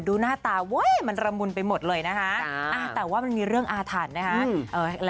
หน้าตาเว้ยมันระมุนไปหมดเลยนะคะแต่ว่ามันมีเรื่องอาถรรพ์นะคะ